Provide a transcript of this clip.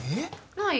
ない？